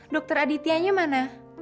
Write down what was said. dokter aditya nya mana